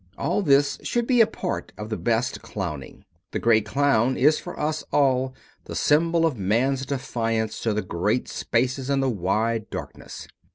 All this should be a part of the best clowning. The great clown is for us all the symbol of man's defiance to the great spaces and the wide darkness.